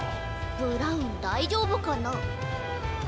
ブラウンだいじょうぶかな。